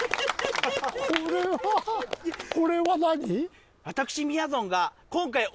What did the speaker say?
これはこれは何？